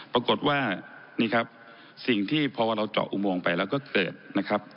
ปรากฏว่านี่ครับสิ่งที่พอเราเจาะอุโมงไปแล้วก็เกิดนะครับ